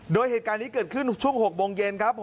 โดยเหตุการณ์นี้เกิดขึ้นช่วง๖โมงเย็นครับ